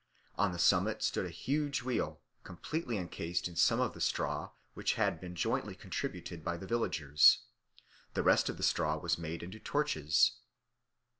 On the summit stood a huge wheel completely encased in some of the straw which had been jointly contributed by the villagers; the rest of the straw was made into torches.